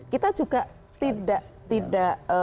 kita juga tidak